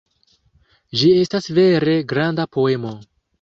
Ĝi estas vere "granda" poemo.